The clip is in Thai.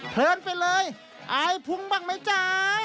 เพลินไปเลยอายพุงบ้างไหมจ๊ะ